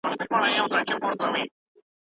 ایا دا زاړه او ترخه یادونه به بیا کله تازه شي؟